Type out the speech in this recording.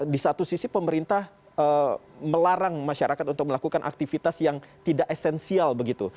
di satu sisi pemerintah melarang masyarakat untuk melakukan aktivitas yang tidak esensial begitu